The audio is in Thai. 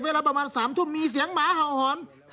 เวลาประมาณ๓ทุ่มมีเสียงหมาเห่าหอน